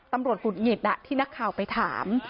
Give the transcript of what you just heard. ตำรวจขุดหยิดที่นักข่าวไปถาม